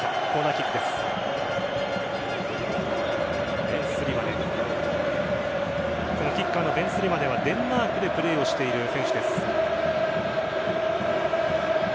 キッカーのベンスリマネはデンマークでプレーをしている選手です。